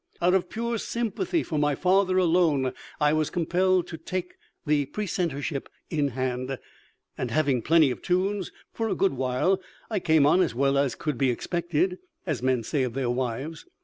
Out of pure sympathy for my father alone, I was compelled to take the precentorship in hand; and having plenty of tunes, for a good while I came on as well as could be expected, as men say of their wives.